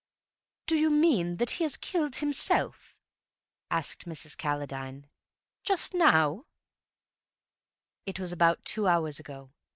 "Do you mean that he has killed himself?" asked Mrs. Calladine. "Just now?" "It was about two hours ago.